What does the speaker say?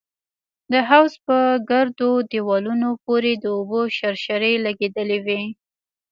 د حوض په ګردو دېوالونو پورې د اوبو شرشرې لگېدلې وې.